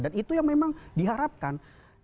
dan itu yang memang diharapkan